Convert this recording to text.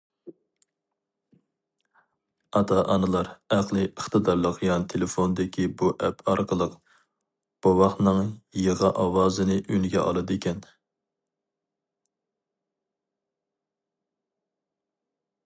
ئاتا- ئانىلار ئەقلىي ئىقتىدارلىق يان تېلېفوندىكى بۇ ئەپ ئارقىلىق، بوۋاقنىڭ يىغا ئاۋازىنى ئۈنگە ئالىدىكەن.